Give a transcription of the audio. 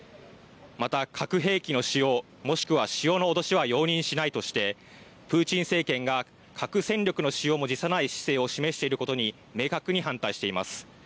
また核兵器の使用もしくは使用の脅しは容認しないとしてプーチン政権が、核戦力の使用も辞さない姿勢を示していることに明確に反対しています。